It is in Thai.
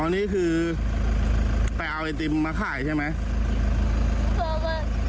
นี่คือไปเอาไอติมมาขายใช่ไหม